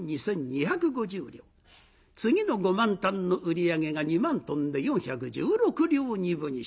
次の５万反の売り上げが２万とんで４１６両２分２朱。